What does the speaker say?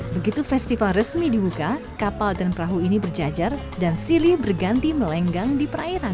begitu festival resmi dibuka kapal dan perahu ini berjajar dan silih berganti melenggang di perairan